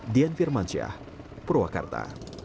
dian firmansyah purwakarta